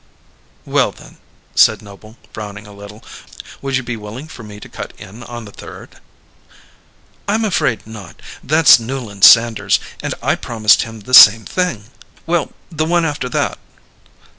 "Well, then," said Noble, frowning a little, "would you be willing for me to cut in on the third?" "I'm afraid not. That's Newland Sanders', and I promised him the same thing." "Well, the one after that?"